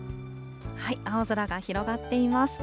青空が広がっています。